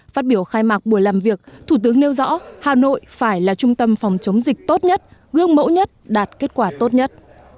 phát biểu khai mạc buổi làm việc thủ tướng nêu rõ hà nội phải là trung tâm phòng chống dịch tốt nhất gương mẫu nhất đạt kết quả tốt nhất